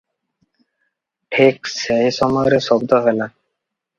ଠିକ୍ ଏହି ସମୟରେ ଶଦ୍ଦ ହେଲା